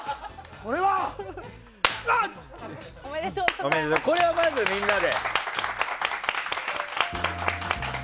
これはまず、みんなで。